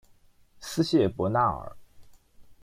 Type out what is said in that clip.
斯谢伯纳尔。